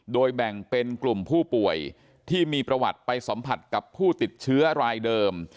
โดยแบ่งเป็นกลุ่มผู้ป่วยที่มีประวัติไปสัมผัสกับผู้ติดเชื้อรายเดิม